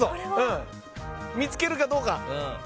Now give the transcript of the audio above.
見つけるかどうか。